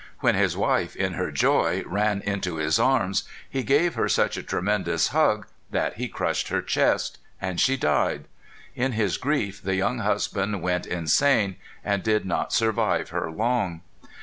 When his wife, in her joy, ran into his arms, he gave her such a tremendous hug that he crushed her chest, and she died. In his grief the young husband went insane and did not survive her long.